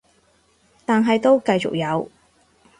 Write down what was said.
但係都繼續有